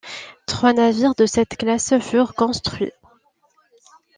Trois navires de cette classe furent construits.